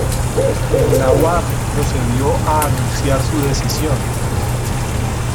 El Nawab procedió a anunciar su decisión.